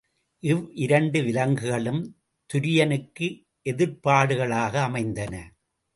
இவ் விரண்டு விலக்குகளும் துரியனுக்கு எதிர்ப்பாடுகளாக அமைந்தன.